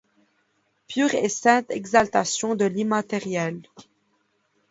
Pure et sainte exaltation de l’immatériel!